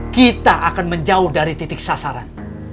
kita akan menjauh dari titik sasaran